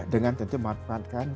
dengan tentu manfaatkan